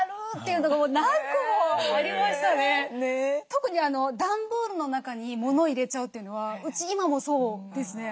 特に段ボールの中に物を入れちゃうというのはうち今もそうですね。